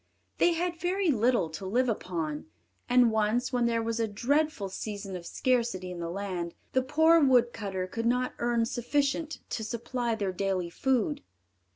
They had very little to live upon, and once when there was a dreadful season of scarcity in the land, the poor wood cutter could not earn sufficient to supply their daily food.